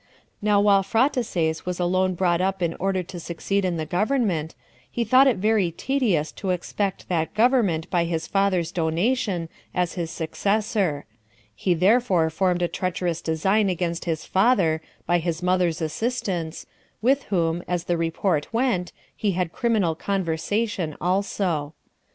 Now while Phraataces was alone brought up in order to succeed in the government, he thought it very tedious to expect that government by his father's donation [as his successor]; he therefore formed a treacherous design against his father, by his mother's assistance, with whom, as the report went, he had criminal conversation also.